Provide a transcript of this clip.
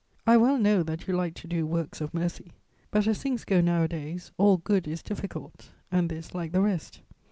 I well know that you like to do works of mercy; but, as things go nowadays, all good is difficult, and this like the rest.